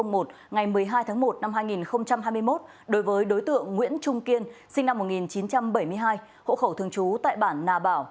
ngày một mươi hai tháng một năm hai nghìn hai mươi một đối với đối tượng nguyễn trung kiên sinh năm một nghìn chín trăm bảy mươi hai hộ khẩu thường trú tại bản nà bảo